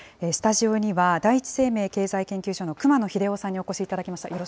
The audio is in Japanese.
スタジオには第一生命経済研究所の熊野英生さんにお越しいただきました。